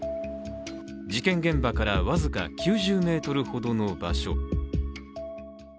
事件現場から僅か９０ｍほどの場所。